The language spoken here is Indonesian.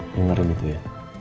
dengerin gitu ya